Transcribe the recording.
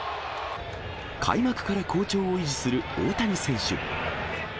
開幕から好調を維持する大谷選手。